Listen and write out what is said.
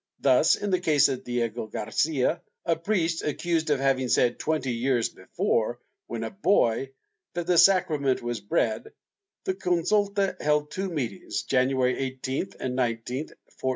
Thus, in the case of Diego Garcia, a priest accused of having said twenty years before, when a boy, that the sacrament was bread, the consulta held two meetings, January 18 and 19, 1490, and finally voted torture.